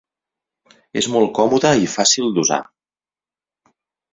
És molt còmode i fàcil d'usar.